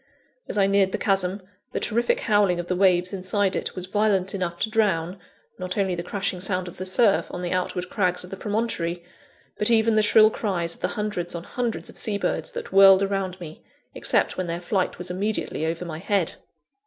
As I neared the chasm, the terrific howling of the waves inside it was violent enough to drown, not only the crashing sound of the surf on the outward crags of the promontory, but even the shrill cries of the hundreds on hundreds of sea birds that whirled around me, except when their flight was immediately over my head.